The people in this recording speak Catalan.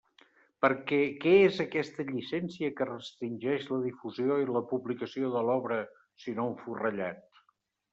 Perquè ¿què és aquesta llicència que restringeix la difusió i la publicació de l'obra sinó un forrellat?